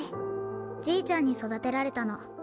じいちゃんにそだてられたの。